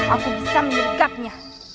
aku bisa menyegapnya